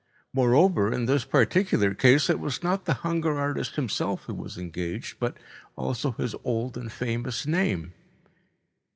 Moreover, in this particular case it was not only the hunger artist himself who was engaged, but also his old and famous name.